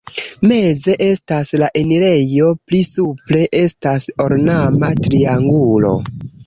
Meze estas la enirejo, pli supre estas ornama triangulo.